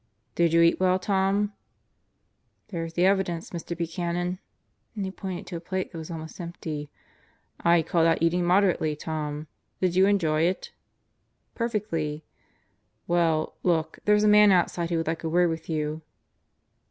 "Did you eat well, Tom?" "There's the evidence, Mr. Buchanan," and he pointed to a plate that was almost empty. "Fd call that eating moderately, Tom. Did you enjoy it?" "Perfectly." "Well, look. There's a man outside who would like a word with you."